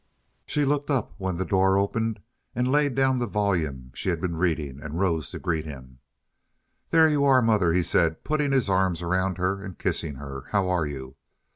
She looked up when the door opened, laid down the volume that she had been reading, and rose to greet him. "There you are, Mother," he said, putting his arms around her and kissing her. "How are you?"